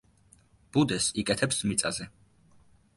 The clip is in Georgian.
ბუდეს იკეთებს მიწაზე.